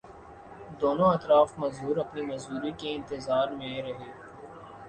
دونوں اطراف مزدور اپنی مزدوری کے انتظار میں رہتے